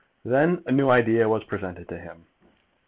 Then a new idea was presented to him.